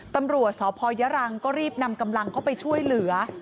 ตำรวจสพยรังก็รีบนำกำลังเข้าไปช่วยเหลือ